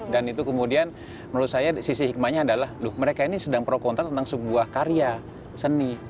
dan itu kemudian menurut saya sisi hikmahnya adalah duh mereka ini sedang pro kontra tentang sebuah karya seni